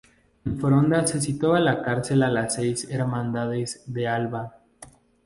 En Foronda se situaba la cárcel de las seis Hermandades de Álava.